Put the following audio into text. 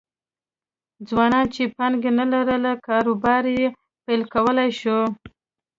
ځوانانو چې پانګه نه لرله کاروبار یې پیل کولای شو